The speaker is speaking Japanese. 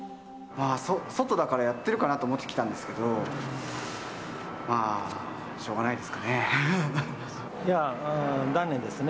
外だからやってるかなと思って来たんですけど、しょうがないですかね。